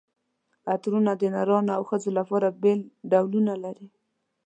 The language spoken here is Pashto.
عطرونه د نرانو او ښځو لپاره بېل ډولونه لري.